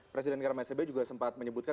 presiden kmseb juga sempat menyebutkan